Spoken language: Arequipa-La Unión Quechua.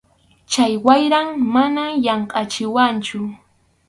Chay wayram mana llamkʼachiwanchu.